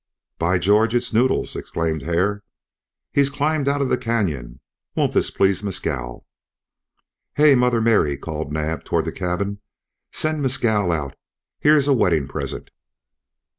"By George! it's Noddle!" exclaimed Hare. "He's climbed out of the canyon. Won't this please Mescal?" "Hey, Mother Mary," called Naab toward the cabin. "Send Mescal out. Here's a wedding present."